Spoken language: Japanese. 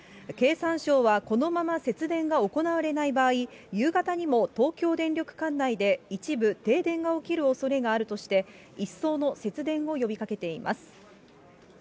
経産省はこのまま節電が行われない場合、夕方にも東京電力管内で一部停電が起きるおそれがあるとして、一層の節電を呼びかけています。